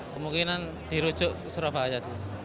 kemungkinan dirujuk ke surabaya